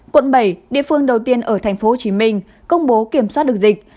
quận bảy địa phương đầu tiên ở tp hcm công bố kiểm soát được dịch